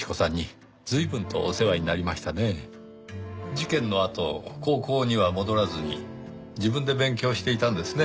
事件のあと高校には戻らずに自分で勉強していたんですね。